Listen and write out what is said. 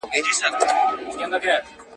بهرنۍ پالیسي د خبرو اترو اهمیت نه کموي.